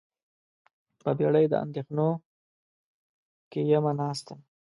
په بیړۍ د اندیښنو کې یمه ناسته